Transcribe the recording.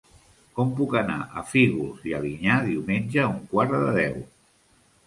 Com puc anar a Fígols i Alinyà diumenge a un quart de deu?